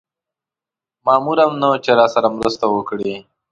مامور هم نه و چې راسره مرسته وکړي.